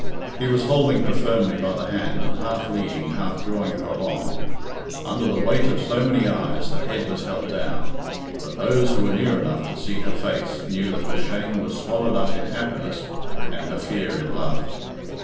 He was holding her firmly by the hand, and half leading, half drawing her along. Under the weight of so many eyes, her head was held down, but those who were near enough to see her face knew that her shame was swallowed up in happiness and her fear in love.